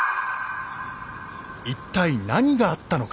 一体何があったのか。